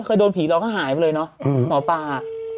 เคยโดนผีเราก็หายไปเลยเนาะหมอปลา